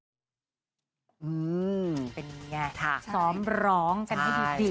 เป็นอย่างนี้ค่ะซ้อมร้องกันให้ดูดี